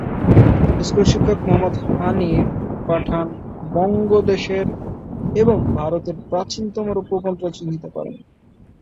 স্কুলশিক্ষক মোহাম্মদ হানিফ পাঠান বঙ্গদেশের এবং ভারতের প্রাচীনতম রৌপ্যমুদ্রা চিহ্নিত করেন।